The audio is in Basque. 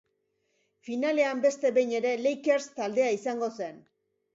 Finalean, beste behin ere, Lakers taldea izango zen.